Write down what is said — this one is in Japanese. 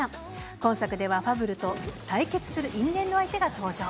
今作ではファブルと対決する因縁の相手が登場。